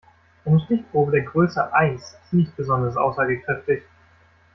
Eine Stichprobe der Größe eins ist nicht besonders aussagekräftig.